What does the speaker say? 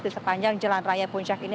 di sepanjang jalan raya puncak ini